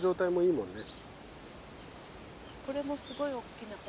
これもすごいおっきな蕾。